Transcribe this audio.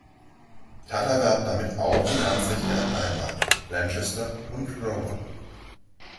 Tata erwarb damit auch die Namensrechte an Daimler, Lanchester und Rover.